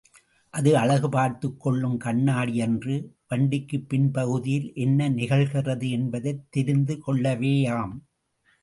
அது அழகு பார்த்துக் கொள்ளும் கண்ணாடியன்று வண்டிக்குப் பின் பகுதியில் என்ன நிகழ்கிறது என்பதைத் தெரிந்து கொள்ளவேயாம்.